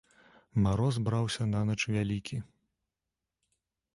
Мароз браўся нанач вялікі.